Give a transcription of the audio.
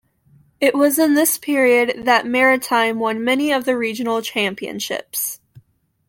It was in this period that Maritime won many of the Regional Championships.